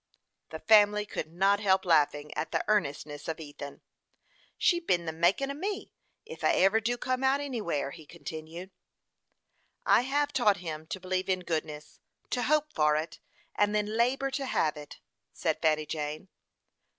The family could not help laughing at the earnestness of Ethan. "She's been the makin' o' me, ef I ever do come out anywhere," he continued. "I have taught him to believe in goodness, to hope for it, and then labor to have it," said Fanny Jane.